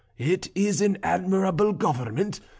It is an admirable government.